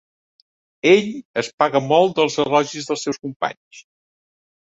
Ell es paga molt dels elogis dels seus companys.